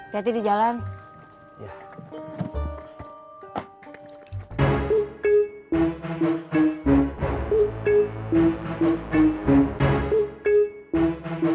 kemudian segera datang kronis zud